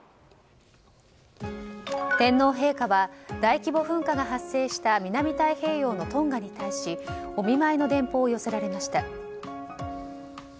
天皇陛下は大規模噴火が発生した南太平洋のトンガに対しお見舞いの電報を寄せられました。